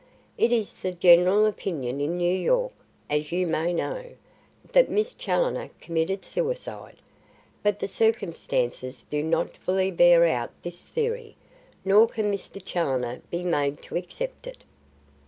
It is the general opinion in New York, as you may know, that Miss Challoner committed suicide. But the circumstances do not fully bear out this theory, nor can Mr. Challoner be made to accept it.